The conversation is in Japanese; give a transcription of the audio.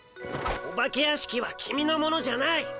お化け屋敷はキミのものじゃない。